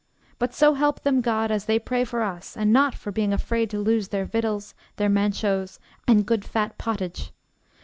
But so help them God, as they pray for us, and not for being afraid to lose their victuals, their manchots, and good fat pottage.